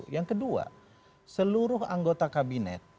yang kedua seluruh anggota kabinet